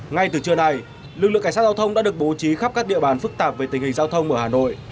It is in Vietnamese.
ngay từ trưa nay lực lượng cảnh sát giao thông đã được bố trí khắp các địa bàn phức tạp về tình hình giao thông ở hà nội